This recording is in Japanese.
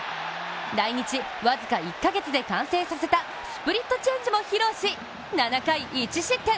来日僅か１か月で完成させたスプリットチェンジも披露し、７回１失点。